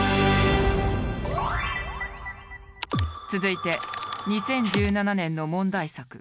続いて２０１７年の問題作。